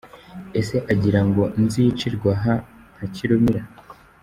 Ese agira ngo nzicirwe aha nka Kirumira?